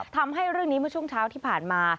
ทำให้เรื่องนี้เมื่อช่วงเช้าที่ผ่านมา